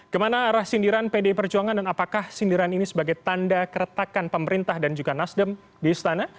kemana arah sindiran pdi perjuangan dan apakah sindiran ini sebagai tanda keretakan pemerintah dan juga nasdem di istana